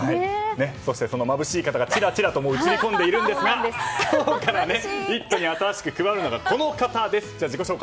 そして眩しい方がちらちらと映り込んでいるんですが今日から「イット！」に新しく加わるのがこの方です。